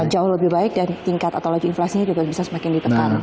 jauh lebih baik dan tingkat atau laju inflasinya juga bisa semakin ditekan